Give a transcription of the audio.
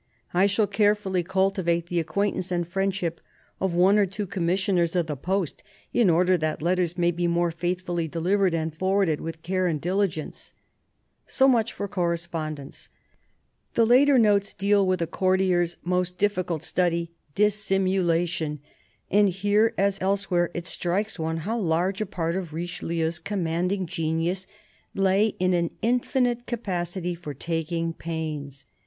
... I shall carefully cultivate the acquaintance and friendship of one or two Commissioners of the Post, in order that letters may be more faithfully delivered and forwarded with care and diligence. ..." So much for correspondence. The later notes deal with a courtier's most difficult study, dissimulation, and here, as elsewhere, it strikes one how large a part of Richelieu's commanding genius lay in " an infinite capacity for taking pains."